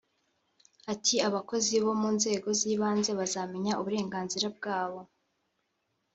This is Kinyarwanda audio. Ati “abakozi bo mu nzego z’ibanze bazamenya uburenganzira bwabo